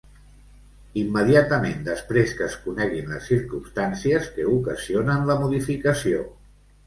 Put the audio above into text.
Immediatament després que es coneguin les circumstàncies que ocasionen la modificació.